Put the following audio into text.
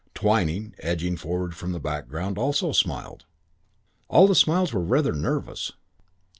Twyning, edging forward from the background, also smiled. All the smiles were rather nervous.